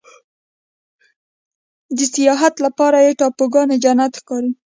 د سیاحت لپاره یې ټاپوګان جنت ښکاري.